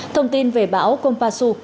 thông tin về bão kompasu